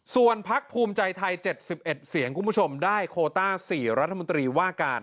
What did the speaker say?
ส่วนพักภูมิใจไทย๗๑เสียงคุณผู้ชมได้โคต้า๔รัฐมนตรีว่าการ